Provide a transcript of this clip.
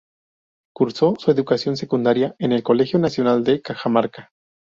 Cursó su educación secundaria en el Colegio Nacional de Cajamarca.